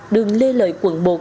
đường lê lợi quận một